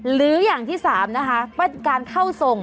หรืออย่างที่๓นะคะการเข้าทรง